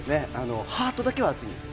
ハートだけは熱いんです。